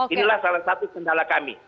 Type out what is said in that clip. inilah salah satu kendala kami